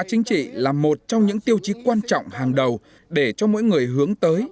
chính trị là một trong những tiêu chí quan trọng hàng đầu để cho mỗi người hướng tới